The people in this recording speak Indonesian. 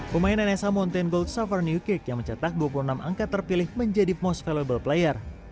pemain nsa mountain gold soveren uke yang mencetak dua puluh enam angka terpilih menjadi most valuable player